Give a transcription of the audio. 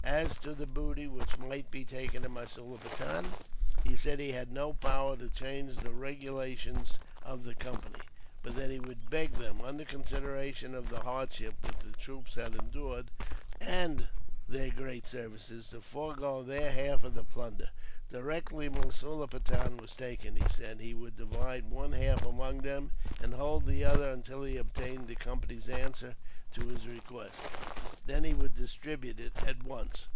As to the booty which might be taken in Masulipatam, he said he had no power to change the regulations of the Company, but that he would beg them, under consideration of the hardships which the troops had endured, and their great services, to forego their half of the plunder. Directly Masulipatam was taken, he said, he would divide one half among them, and hold the other until he obtained the Company's answer to his request. Then he would distribute it, at once.